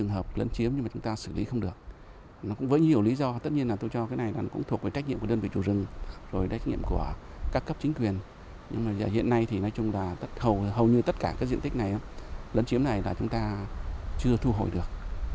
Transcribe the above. hầu như tất cả diện tích này lấn chiếm này là chúng ta chưa thu hội được